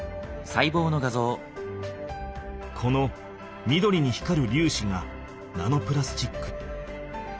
この緑に光るりゅうしがナノプラスチック。